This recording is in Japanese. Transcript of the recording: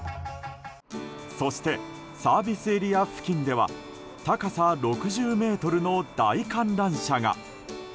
そしてサービスエリア付近では高さ６０ｍの大観覧車が。